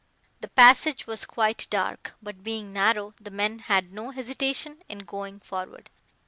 The passage was quite dark, but being narrow, the men had no hesitation in going forward.